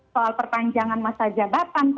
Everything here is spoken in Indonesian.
soal perpanjangan masa jabatan